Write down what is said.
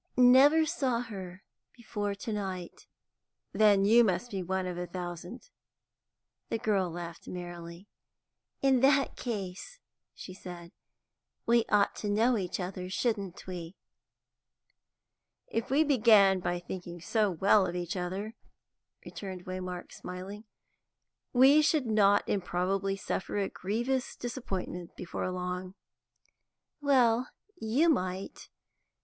"Never saw her before to night." "Then you must be one out of a thousand." The girl laughed merrily. "In that case," she said, "we ought to know each other, shouldn't we?" "If we began by thinking so well of each other," returned Waymark, smiling, "we should not improbably suffer a grievous disappointment before long." "Well, you might.